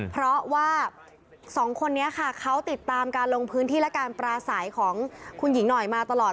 เพราะว่าสองคนนี้ค่ะเขาติดตามการลงพื้นที่และการปราศัยของคุณหญิงหน่อยมาตลอด